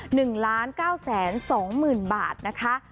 หนึ่งล้านเก้าแสนสองหมื่นบาทนะคะ